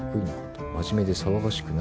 「真面目で騒がしくない方」